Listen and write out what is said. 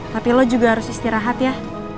tapi lo juga harus istirahat ya